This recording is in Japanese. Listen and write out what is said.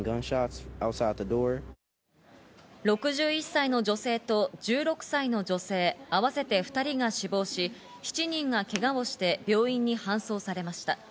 ６１歳の女性と１６歳の女性、合わせて２人が死亡し、７人がけがをして病院に搬送されました。